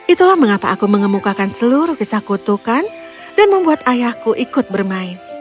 itulah mengapa aku mengemukakan seluruh kisah kutukan dan membuat ayahku ikut bermain